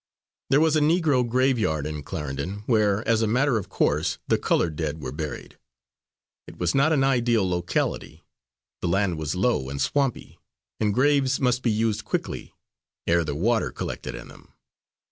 There was a Negro graveyard in Clarendon, where, as a matter of course the coloured dead were buried. It was not an ideal locality. The land was low and swampy, and graves must be used quickly, ere the water collected in them.